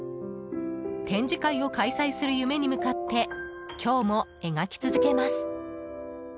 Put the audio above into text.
展示会を開催する夢に向かって今日も描き続けます。